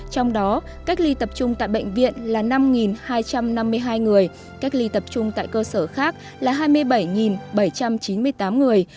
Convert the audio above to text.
trong đó cách ly tập trung tại bệnh viện là năm hai trăm năm mươi hai người cách ly tập trung tại cơ sở khác là hai mươi bảy bảy trăm chín mươi tám người